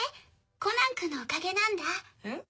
コナンくんのおかげなんだ。え？